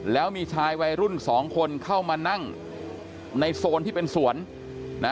แล้วมีชายวัยรุ่นสองคนเข้ามานั่งในโซนที่เป็นสวนนะ